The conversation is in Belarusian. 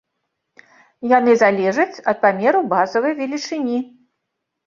Яны залежаць ад памеру базавай велічыні.